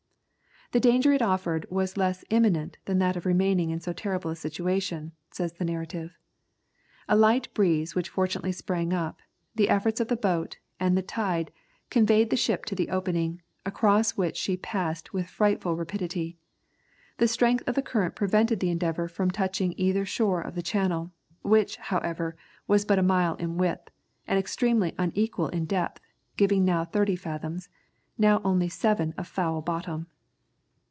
"The danger it offered was less imminent than that of remaining in so terrible a situation," says the narrative. "A light breeze which fortunately sprang up, the efforts of the boats, and the tide, conveyed the ship to the opening, across which she passed with frightful rapidity. The strength of the current prevented the Endeavour from touching either shore of the channel, which, however, was but a mile in width, and extremely unequal in depth, giving now thirty fathoms, now only seven of foul bottom."